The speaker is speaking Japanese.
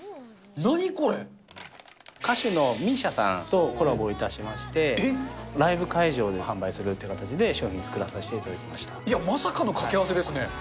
歌手のＭＩＳＩＡさんとコラボいたしまして、ライブ会場で販売するという形で、商品作らさせいや、まさかのかけ合わせですね。